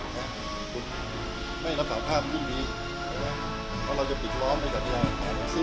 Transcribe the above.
คุณไม่ได้รักษาภาพอย่างนี้